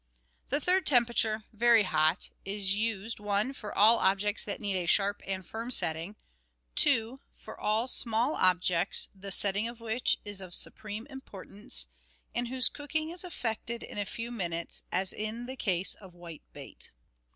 The third temperature, " very hot," is used (i) for all objects that need a sharp and firm setting ; (2) for all small objects the setting of ^^hich is of supreme importance, and whose cooking is effected in a few minutes, as in the case of whitebait.